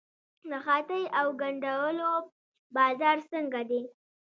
د خیاطۍ او ګنډلو بازار څنګه دی؟